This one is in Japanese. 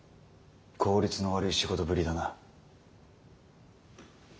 効率の悪い仕事ぶりだな。